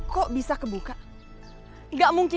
kita tidak dapat memperbaiki